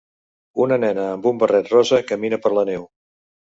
Una nena amb un barret rosa camina per la neu.